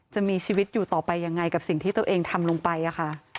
จะมีชีวิตอยู่ต่อไปยังไงกับสิ่งที่ตัวเองทำลงไปค่ะ